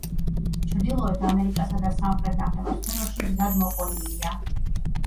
ჩრდილოეთ ამერიკასა და სამხრეთ ნახევარსფეროში გზადმოყოლილია.